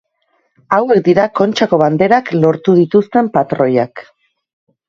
Hauek dira Kontxako Banderak lortu dituzten patroiak.